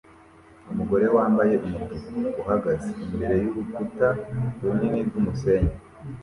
Umugore wambaye umutuku uhagaze imbere y'urukuta runini rw'umusenyi